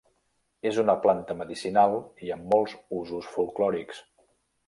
És una planta medicinal i amb molts usos folklòrics.